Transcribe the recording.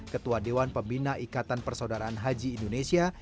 ketua dewan pembina ikatan persaudaraan haji indonesia